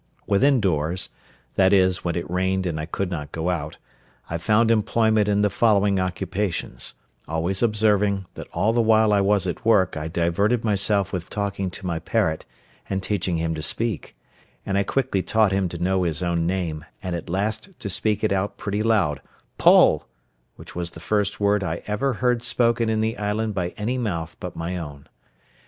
Within doors, that is when it rained and I could not go out, I found employment in the following occupations—always observing, that all the while I was at work I diverted myself with talking to my parrot, and teaching him to speak; and I quickly taught him to know his own name, and at last to speak it out pretty loud, "Poll," which was the first word I ever heard spoken in the island by any mouth but my own.